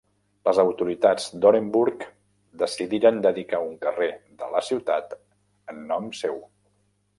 Les autoritats d'Orenburg decidiren dedicar un carrer de la ciutat en nom seu.